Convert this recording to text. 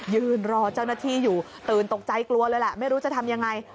ยืนรอเจ้าหน้าที่อยู่ตื่นตกใจกลัวเลยแหละไม่รู้จะทำยังไง